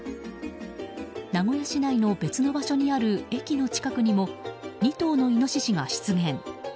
名古屋市内の別の場所にある駅の近くにも２頭のイノシシが出現。